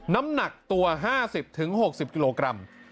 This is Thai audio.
น้ำหนักตัว๕๐๖๐กิโลกรัม